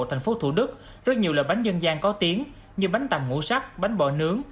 thành phố thủ đức rất nhiều loại bánh dân gian có tiếng như bánh tầm ngũ sắc bánh bò nướng